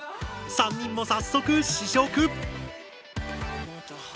３人も早速試食！